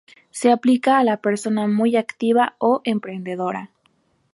Se aplica a la persona muy activa o emprendedora.